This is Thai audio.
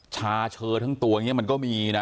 ช่าเชื้อทั้งตัวมันก็มีนะ